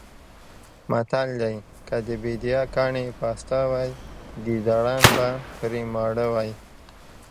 متل دی: که د بېدیا کاڼي پاسته وی ګېدړان به پرې ماړه وی.